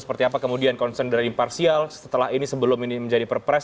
seperti apa kemudian concern dari imparsial setelah ini sebelum ini menjadi perpres